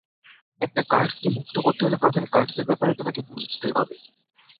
একটা কার্সকে মুক্ত করতে হলে, প্রথমে কার্সের ব্যাপারে তোমাকে বুঝতে হবে।